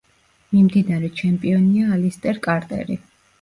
მიმდინარე ჩემპიონია ალისტერ კარტერი.